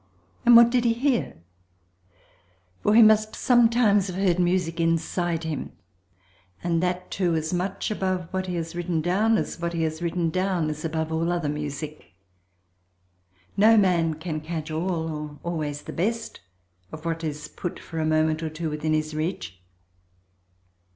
And what did he hear? For he must sometimes have heard music inside him—and that, too, as much above what he has written down as what he has written down is above all other music. No man can catch all, or always the best, of what is put for a moment or two within his reach.